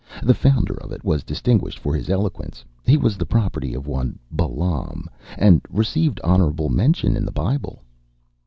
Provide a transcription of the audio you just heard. The founder of it was distinguished for his eloquence; he was the property of one Baalam, and received honorable mention in the Bible.